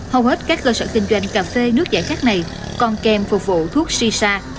hầu hết các cơ sở kinh doanh cà phê nước giải khát này còn kèm phục vụ thuốc shisha